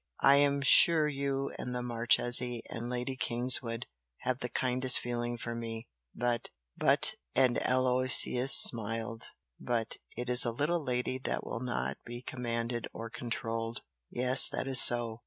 I am sure you and the Marchese and Lady Kingswood have the kindest feeling for me! but " "But!" and Aloysius smiled "But it is a little lady that will not be commanded or controlled! Yes that is so!